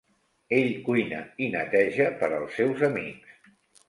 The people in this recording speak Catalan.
Ell cuina i neteja per als seus amics.